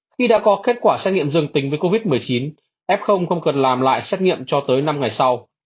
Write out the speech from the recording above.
khi đã có kết quả xét nghiệm dương tính với covid một mươi chín f không cần làm lại xét nghiệm cho tới năm ngày sau